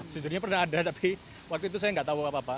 sejujurnya pernah ada tapi waktu itu saya nggak tahu apa apa